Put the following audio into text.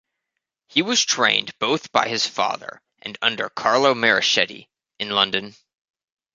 He was trained both by his father and under Carlo Marochetti in London.